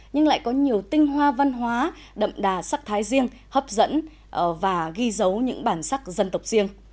nhưng lại có nhiều tinh hoa văn hóa đậm đà sắc thái riêng hấp dẫn và ghi dấu những bản sắc dân tộc riêng